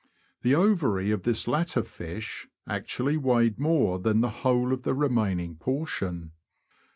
The ovary of this latter fish actually weighed more than the whole of the remaining portion